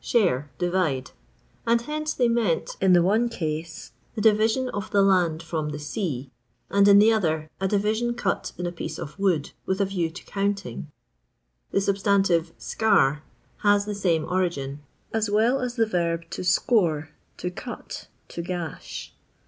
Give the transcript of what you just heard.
share, divide ; and hence they meant, in the one rase, the division of the land ttom the sea ; and in the other, a division cut in a piece of wood, with a view to counting. The substantive eear has the same origin ; as well as the verb to score, to cut, to gash.